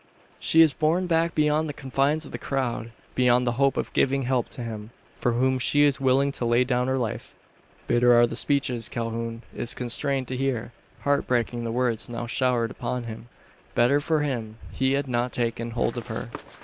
She is borne back beyond the confines of the crowd beyond the hope of giving help to him, for whom she is willing to lay down her life! Bitter are the speeches Calhoun is constrained to hear heartbreaking the words now showered upon him. Better for him he had not taken hold of her.